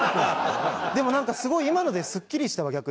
でもなんかすごい今のですっきりしたわ逆に。